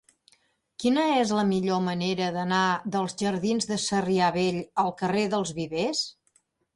Quina és la millor manera d'anar dels jardins de Sarrià Vell al carrer dels Vivers?